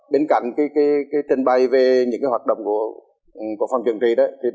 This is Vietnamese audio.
bên cạnh trên bay về những hoạt động của phòng trận trì